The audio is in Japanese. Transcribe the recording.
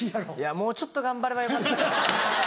もうちょっと頑張ればよかったかなって。